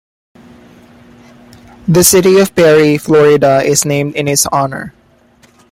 The city of Perry, Florida is named in his honor.